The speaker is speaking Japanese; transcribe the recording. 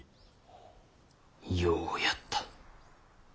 ようやった。